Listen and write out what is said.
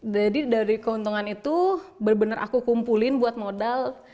jadi dari keuntungan itu benar benar aku kumpulin buat modal